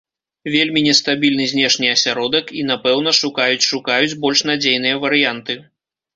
Вельмі нестабільны знешні асяродак, і, напэўна, шукаюць-шукаюць больш надзейныя варыянты.